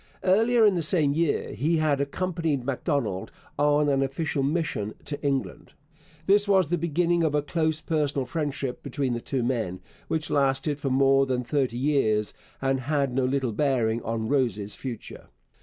Earlier in the same year he had accompanied Macdonald on an official mission to England. This was the beginning of a close personal friendship between the two men, which lasted for more than thirty years and had no little bearing on Rose's future.